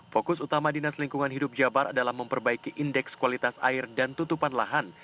fokus utama dinas lingkungan hidup jabar adalah memperbaiki indeks kualitas air dan tutupan lahan